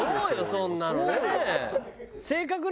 そんなのね。